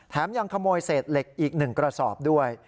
ยังขโมยเศษเหล็กอีก๑กระสอบด้วย